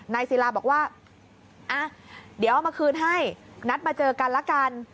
ศิลาบอกว่าอ่ะเดี๋ยวเอามาคืนให้นัดมาเจอกันละกัน